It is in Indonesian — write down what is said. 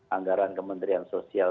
anggaran kementerian sosial